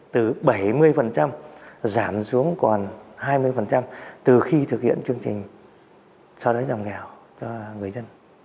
từ bảy mươi giảm xuống còn hai mươi từ khi thực hiện chương trình xóa đói giảm nghèo cho người dân